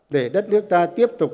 để đất nước ta tiếp tục